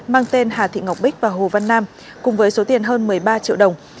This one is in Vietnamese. mang tên hà thị ngọc bích và hồ văn nam cùng với số tiền hơn một mươi ba triệu đồng